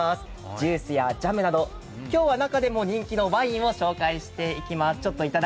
ジュースやジャムなど今日は中でも人気のワインを紹介していきます。